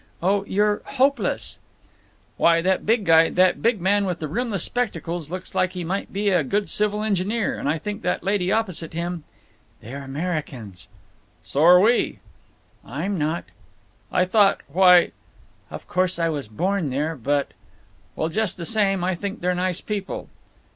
Oh, you're hopeless." "Why, that big guy—that big man with the rimless spectacles looks like he might be a good civil engineer, and I think that lady opposite him—" "They're Americans." "So're we!" "I'm not." "I thought—why—" "Of course I was born there, but—" "Well, just the same, I think they're nice people."